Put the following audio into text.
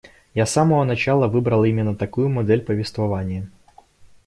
Я с самого начала выбрал именно такую модель повествования.